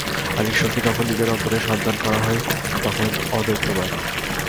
আর ঈশ্বরকে যখন নিজের অন্তরে সন্ধান করা হয়, তখন অদ্বৈতবাদ।